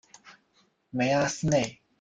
梅阿斯内。